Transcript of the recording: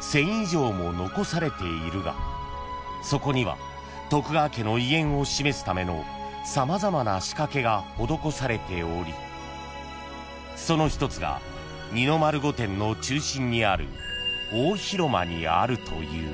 ［残されているがそこには徳川家の威厳を示すための様々な仕掛けが施されておりその一つが二の丸御殿の中心にある大広間にあるという］